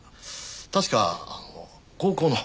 確かあの高校の。